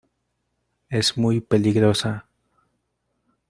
¡ es muy peligrosa!